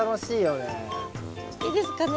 いいですかね？